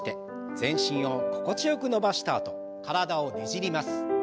全身を心地よく伸ばしたあと体をねじります。